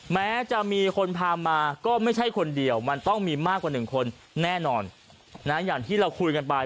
แม้จะมีคนพามาก็ไม่ใช่คนเดียวมันต้องมีมากกว่าหนึ่งคนแน่นอนนะอย่างที่เราคุยกันไป